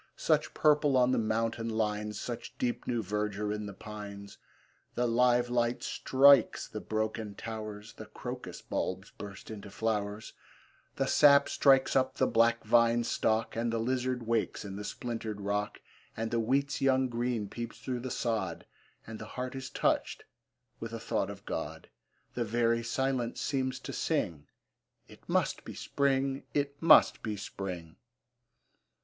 Such purple on the mountain lines, Such deep new verdure in the pines! The live light strikes the broken towers, The crocus bulbs burst into flowers, The sap strikes up the black vine stock, And the lizard wakes in the splintered rock, And the wheat's young green peeps through the sod, And the heart is touched with a thought of God; The very silence seems to sing, It must be Spring, it must be Spring!